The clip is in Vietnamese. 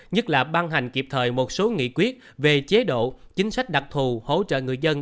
nhất là ban hành kịp thời một số nghị quyết về chế độ chính sách đặc thù hỗ trợ người dân